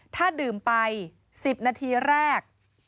ถ้าดื่มไป๑๐นาทีแรก